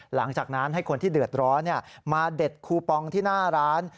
หลังจากนั้นให้คนที่เดือดร้อนมาเด็ดคูปองที่หน้าร้าน